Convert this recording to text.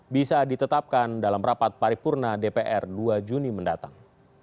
bisa ditetapkan dalam rapat paripurna dpr dua juni mendatang